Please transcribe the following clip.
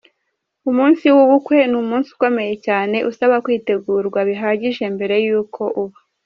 Umunsi w’ubukwe ni umunsi ukomeye cyane usaba kwitegurwa bihagije mbere y’uko uba.